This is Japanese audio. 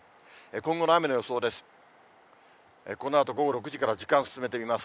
今後の雨の予想です。